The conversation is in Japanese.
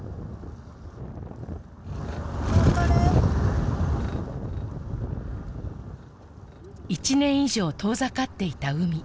頑張れ１年以上遠ざかっていた海